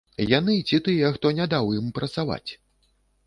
Яны ці тыя, хто не даў ім працаваць?